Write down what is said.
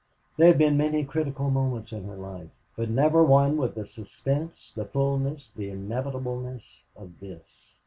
There had been many critical moments in her life, but never one with the suspense, the fullness, the inevitableness of this.